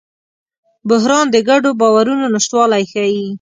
بحران د ګډو باورونو نشتوالی ښيي.